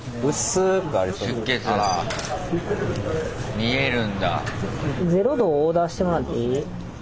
見えるんだ。